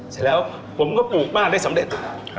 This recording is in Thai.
เสร็จแล้วผมก็ปลูกบ้านได้สำเร็จ